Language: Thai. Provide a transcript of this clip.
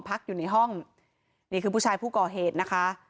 พักอยู่ในห้องนี่คือผู้ชายผู้ก่อเหตุนะคะ